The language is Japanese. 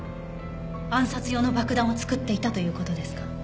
暗殺用の爆弾を作っていたという事ですか？